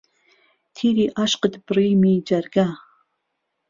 تیری ئاشقت بڕیمی جەرگه